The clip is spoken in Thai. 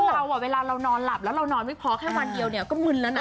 เราเวลาเรานอนหลับแล้วเรานอนไม่พอแค่วันเดียวเนี่ยก็มึนแล้วนะ